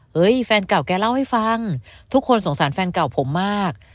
แฟนเก่าแกเล่าให้ฟังทุกคนสงสารแฟนเก่าผมมาก